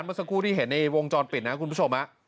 เมื่อสักครู่ที่เห็นในวงจรปิดนะคุณผู้ชม